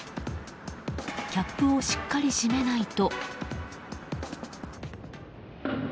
キャップをしっかり閉めないと。